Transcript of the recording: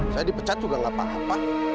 saya dipecat juga gak apa apa